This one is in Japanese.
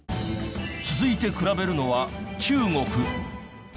続いて比べるのは中国。